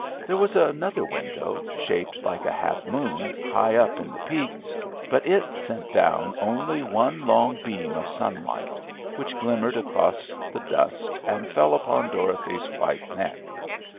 There was another window (shaped like a half moon, high up in the peak), but it sent down only one long beam of sunlight, which glimmered across the dust and fell upon Dorothy's white neck.